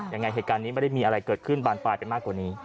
ยังไงเหตุการณ์นี้ไม่ได้มีอะไรเกิดขึ้นบานปลายไปมากกว่านี้